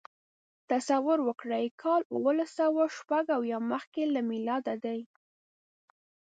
تصور وکړئ کال اوولسسوهشپږاویا مخکې له میلاده دی.